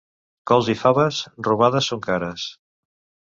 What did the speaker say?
Cols i faves, robades, són cares.